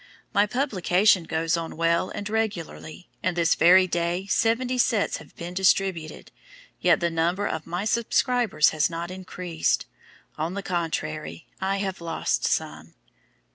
My publication goes on well and regularly, and this very day seventy sets have been distributed, yet the number of my subscribers has not increased; on the contrary, I have lost some."